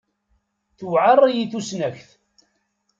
Tuɛer-iyi tusnakt.